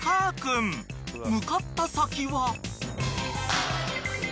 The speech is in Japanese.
［向かった先は］